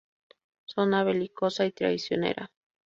Zona belicosa y traicionera.